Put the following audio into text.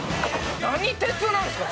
何鉄なんですか？